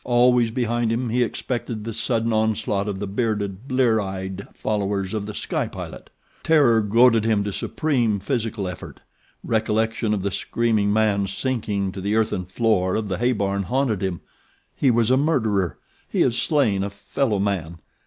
Always behind him he expected the sudden onslaught of the bearded, blear eyed followers of The Sky Pilot. Terror goaded him to supreme physical effort. Recollection of the screaming man sinking to the earthen floor of the hay barn haunted him. He was a murderer! He had slain a fellow man.